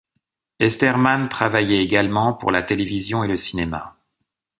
Esterman travaillé également pour la télévision et le cinéma.